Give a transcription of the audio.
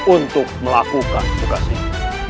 untuk melakukan tugas ini